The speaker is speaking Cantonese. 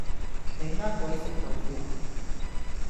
你呃鬼食豆腐呀